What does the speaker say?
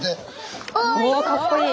おおかっこいい。